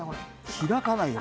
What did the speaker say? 開かないよ。